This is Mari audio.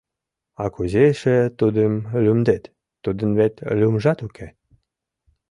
А кузе эше тудым лӱмдет, тудын вет лӱмжат уке!